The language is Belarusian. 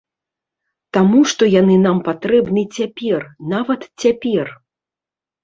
Таму што яны нам патрэбны цяпер, нават цяпер.